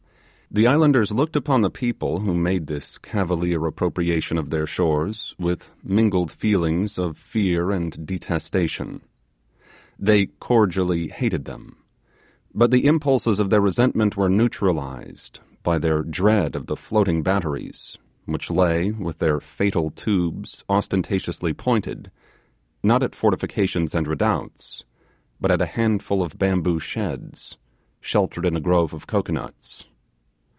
The islanders looked upon the people who made this cavalier appropriation of their shores with mingled feelings of fear and detestation. They cordially hated them; but the impulses of their resentment were neutralized by their dread of the floating batteries, which lay with their fatal tubes ostentatiously pointed, not at fortifications and redoubts, but at a handful of bamboo sheds, sheltered in a grove of cocoanuts!